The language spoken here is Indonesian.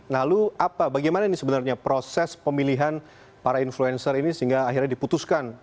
lalu apa bagaimana ini sebenarnya proses pemilihan para influencer ini sehingga akhirnya diputuskan